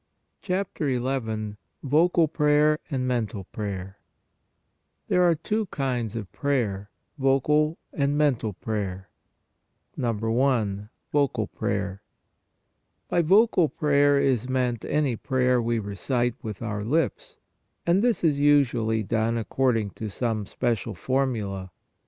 CHAPTER XL VOCAL PRAYER AND MENTAL PRAYER THERE ARE TWO KINDS OF PRAYER, VOCAL AND MENTAL PRAYER I. VOCAL PRAYER. By vocal prayer is meant any prayer we recite with our lips, and this is usually done according to some special formula.